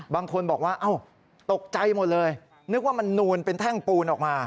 บางคนบอกว่าอ้าวตกใจหมดเลยนึกว่ามันนูนเป็นแท่งปูนออกมา